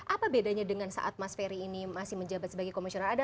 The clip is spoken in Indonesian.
apa bedanya dengan saat mas ferry ini masih menjabat sebagai komisioner